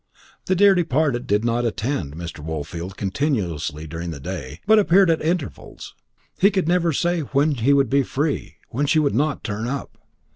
The dear departed did not attend Mr. Woolfield continuously during the day, but appeared at intervals. He could never say when he would be free, when she would not turn up.